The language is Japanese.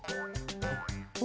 お？